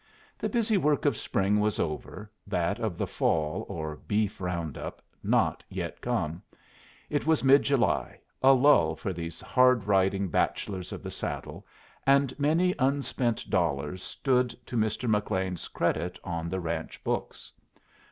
The busy work of spring was over, that of the fall, or beef round up, not yet come. It was mid July, a lull for these hard riding bachelors of the saddle, and many unspent dollars stood to Mr. McLean's credit on the ranch books.